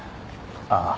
ああ。